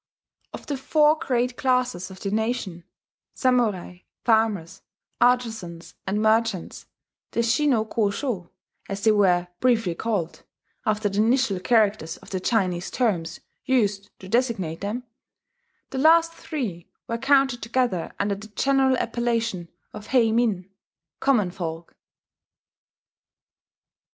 Of the four great classes of the nation Samurai, Farmers, Artizans, and Merchants (the Shi No Ko Sho, as they were briefly called, after the initial characters of the Chinese terms used to designate them) the last three were counted together under the general appellation of Heimin, "common folk."